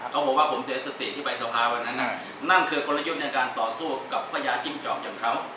เขาบอกว่าผมเสียสติที่ไปสภาวันนั้นนั่นคือกลยุทธ์ในการต่อสู้กับพญาจิ้งจอกอย่างเขา